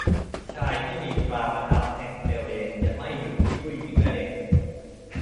ชายที่มีตราประทับแห่งเซลเดนจะไม่หยุดที่ผู้หญิงและเด็ก